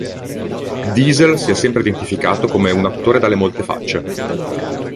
Diesel si è sempre identificato come un "attore dalle molte facce".